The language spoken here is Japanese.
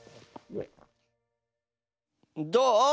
どう？